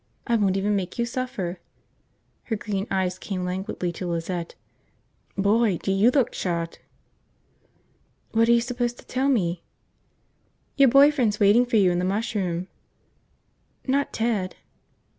I won't even make you suffer." Her green eyes came languidly to Lizette. "Boy, do you look shot!" "What are you supposed to tell me?" "Your boy friend's waiting for you in the mush room." "Not Ted?"